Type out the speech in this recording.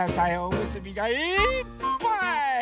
おむすびがいっぱい！